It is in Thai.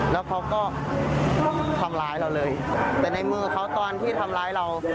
แล้วเขาก็ทำร้ายเราเลยแต่ในมือเขาตอนที่ทำร้ายเรา